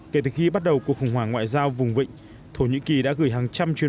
kể từ khi bắt đầu cuộc khủng hoảng ngoại giao vùng vịnh thổ nhĩ kỳ đã gửi hàng trăm chuyến